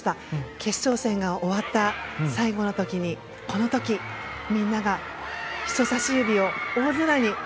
決勝戦が終わった最後の時みんなが人差し指を大空に。